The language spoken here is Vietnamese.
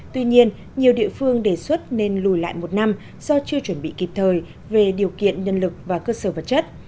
tuy nhiên nhiều địa phương đề xuất nên lùi lại một năm do chưa chuẩn bị kịp thời về điều kiện nhân lực và cơ sở vật chất